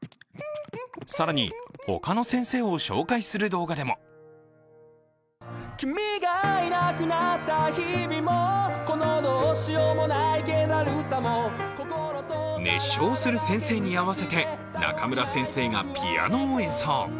更に、他の先生を紹介する動画でも熱唱する先生に合わせて中村先生がピアノを演奏。